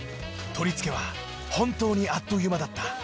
取り付けは本当にあっという間だった。